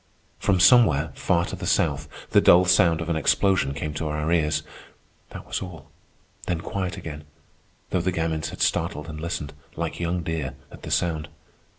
From somewhere, far to the south, the dull sound of an explosion came to our ears. That was all. Then quiet again, though the gamins had startled and listened, like young deer, at the sound.